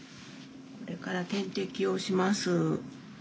これから点滴をします。